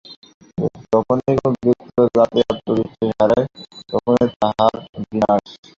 যখনই কোন ব্যক্তি বা জাতি আত্মবিশ্বাস হারায়, তখনই তাহার বিনাশ।